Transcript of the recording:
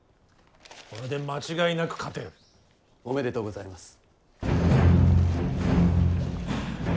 これで間違いなく勝てる。おめでとうございます。